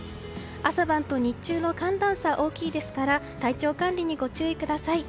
朝晩と日中の寒暖差が大きいですから体調管理にご注意ください。